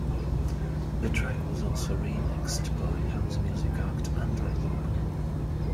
The track was also remixed by house music act Antiloop.